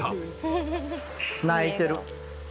鳴いてる。